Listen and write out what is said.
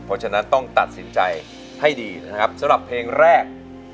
เพราะฉะนั้นต้องตัดสินใจให้ดีนะครับสำหรับเพลงแรก